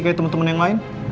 kayak temen temen yang lain